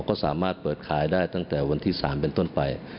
ก็สามารถเปิดขายได้ตั้งแต่วันที่๓เป็นต้นไป